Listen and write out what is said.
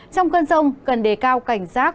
trong cơn rông cần đề cao cảnh giác